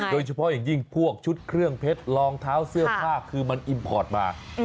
โดยเฉพาะอย่างยิ่งพวกชุดเครื่องเพชรรองเท้าเสื้อผ้าคือมันอิมพอร์ตมา